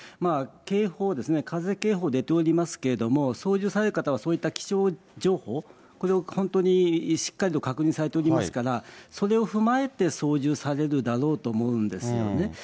警報ですね、風警報出ておりますけれども、操縦される方はそういった気象情報、これを本当にしっかりと確認されておりますから、それを踏まえて操縦されるだろうと思うんですよね。